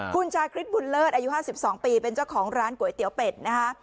คุณชาคริสบุญเลิศอายุ๕๒ปีเป็นเจ้าของร้านก๋วยเตี๋ยวเป็ดนะคะ